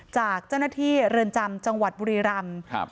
จากเจ้าหน้าที่เรือนจำจังหวัดบุรีรำครับ